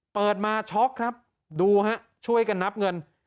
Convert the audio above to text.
เปิดมาช็อกครับดูฮะช่วยกันนับเงิน